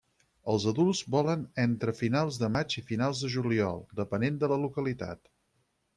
Els adults volen entre finals de maig i finals de juliol, depenent de la localitat.